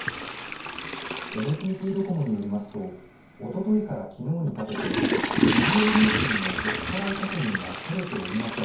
ＮＴＴドコモによりますとおとといから、きのうにかけてご利用料金のお支払い確認が取れておりません。